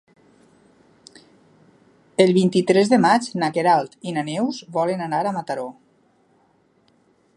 El vint-i-tres de maig na Queralt i na Neus volen anar a Mataró.